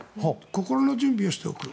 心の準備をしておく。